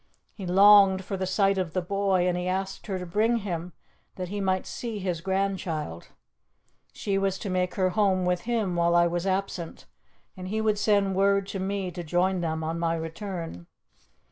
He longed for the sight of the boy, and he asked her to bring him that he might see his grandchild; she was to make her home with him while I was absent, and he would send word to me to join them on my return.